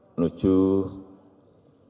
kemudian menuju ke sini dan mohon maaf